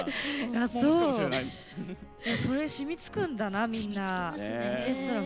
それしみつくんだな、みんな。